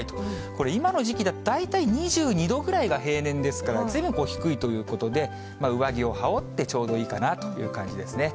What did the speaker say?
これ、今の時期だと大体２２度ぐらいが平年ですから、ずいぶん低いということで、上着を羽織ってちょうどいいかなという感じですね。